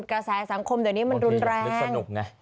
กระแสสังคมเดี๋ยวนี้มันรุนแรง